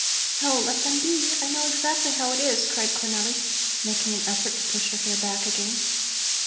"No, let them be! I know exactly how it is," cried Cornelli, making an effort to push her hair back again.